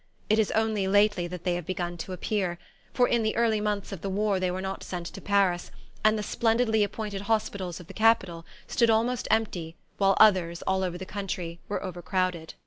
It is only lately that they have begun to appear, for in the early months of the war they were not sent to Paris, and the splendidly appointed hospitals of the capital stood almost empty, while others, all over the country, were overcrowded.